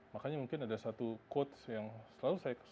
makanya mungkin ada satu quotes yang selalu saya